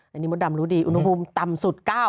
ในนี้บัตรดำรู้ดีอุณหภูมิต่ำสุด๙